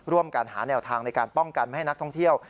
ร่วมกันหาแนวทางในการป้องกันไม่ให้นักท่องเที่ยว